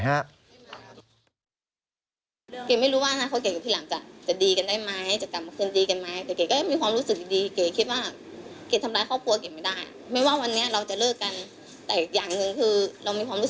ไปคิดคำพูดมาให้ดีกว่างี้